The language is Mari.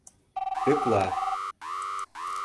Пӧкла: